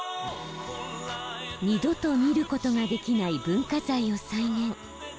二度と見ることができない文化財を再現。